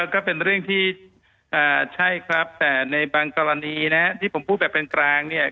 ก็เป็นเรื่องที่ใช่ครับแต่ในบางกรณีนะที่ผมพูดแบบเป็นกลางเนี่ย